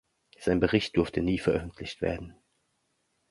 Sein Bericht durfte nie veröffentlicht werden.